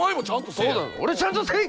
そう俺ちゃんとせい！